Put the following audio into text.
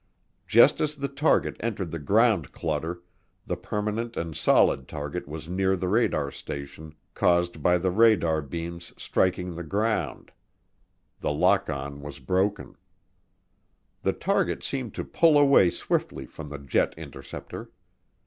Just as the target entered the "ground clutter" the permanent and solid target near the radar station caused by the radar beam's striking the ground the lock on was broken. The target seemed to pull away swiftly from the jet interceptor.